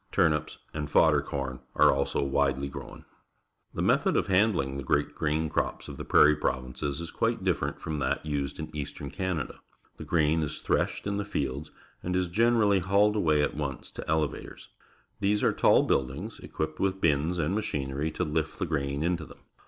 turnip s^ and dodder corn are also widely grown. The method of handhng the great grain crops of the Prairie Provinces is quite differ ent from that used in Eastern Canada. The grain is threshed in the fields and is generally hauled away at once to elevators. These are tall buildings, equipped with bins and machinery to lift the grain into them.